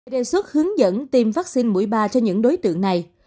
đề xuất hướng dẫn tiêm vaccine mũi ba cho những đối tượng này